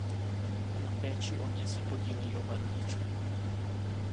Na péči o ně se podílejí oba rodiče.